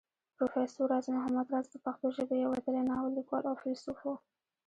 پروفېسر راز محمد راز د پښتو ژبې يو وتلی ناول ليکوال او فيلسوف وو